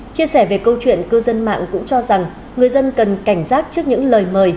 chia sẻ về câu chuyện cư dân mạng cũng cho rằng người dân cần cảnh giác trước những lời mời